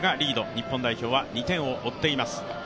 日本代表は２点を追っています。